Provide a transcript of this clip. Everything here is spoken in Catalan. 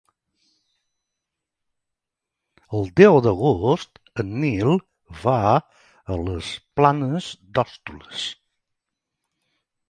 El deu d'agost en Nil va a les Planes d'Hostoles.